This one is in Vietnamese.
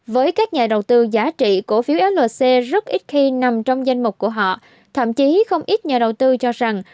với các nhà đầu tư giá trị cổ phiếu flc rất ít khi nằm trong danh mục của họ thậm chí không ít nhà đầu tư cho rằng